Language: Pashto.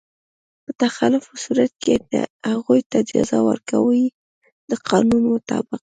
په تخلف په صورت کې هغوی ته جزا ورکوي د قانون مطابق.